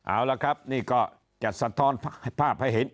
เอาละครับนี่ก็จะสะท้อนภาพให้เห็น